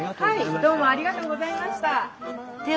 はいどうもありがとうございました。